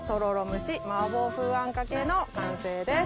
蒸しマーボー風あんかけの完成です。